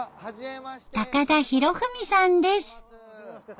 高田啓史さんです。